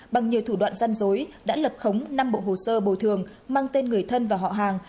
bằng nhiều thủ đoạn gian dối đã lập khống năm bộ hồ sơ bồi thường mang tên người thân và họ hàng